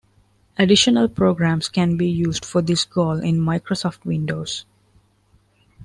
Additional programs can be used for this goal in Microsoft Windows.